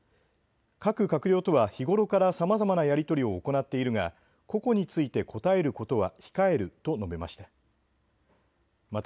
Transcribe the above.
各閣僚とは日頃からさまざまなやり取りを行っているが個々について答えることは控えると述べました。